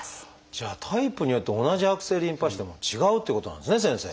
じゃあタイプによって同じ悪性リンパ腫でも違うっていうことなんですね先生。